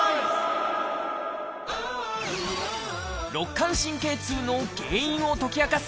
肋間神経痛の原因を解き明かす